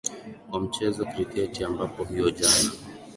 kwa mcheza kriketi ambapo hiyo jana